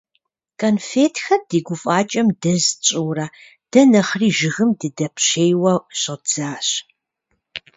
КӀэнфетхэр ди гуфӀакӀэм дэз тщӀыурэ, дэ нэхъри жыгым дыдэпщейуэ щӀэддзащ.